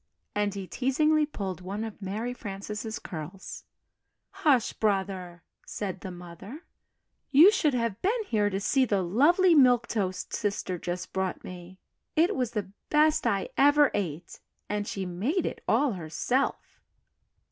and he teasingly pulled one of Mary Frances' curls. "Hush, Brother!" said the mother, "you should have been here to see the lovely Milk Toast Sister just brought me. It was the best I ever ate and she made it all herself."